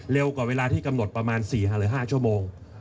กว่าเวลาที่กำหนดประมาณ๔๕หรือ๕ชั่วโมง